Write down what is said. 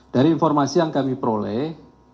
dari informasi yang kami peroleh